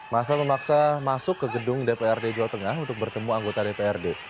masa memaksa masuk ke gedung dprd jawa tengah untuk bertemu anggota dprd